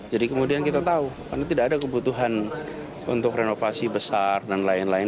jadi kemudian kita tahu karena tidak ada kebutuhan untuk renovasi besar dan lain lain